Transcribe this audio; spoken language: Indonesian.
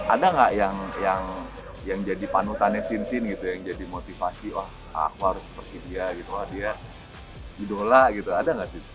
ada nggak yang jadi panutannya sinsin gitu yang jadi motivasi wah aku harus seperti dia gitu wah dia idola gitu ada nggak sih